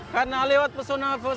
karena lewat persona